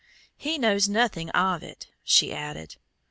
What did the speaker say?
"He knows nothing of it," she added.